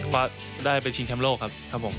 ฟัสได้ไปชิงแชมป์โลกครับ